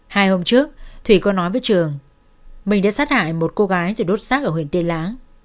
hiện tại trường khai với cơ quan điều tra anh ta không phải là hùng thủ